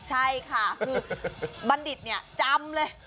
ใช่ค่ะคือบัณฑิตเนี่ยจำเลย